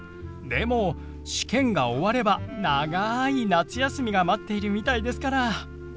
でも試験が終われば長い夏休みが待っているみたいですから。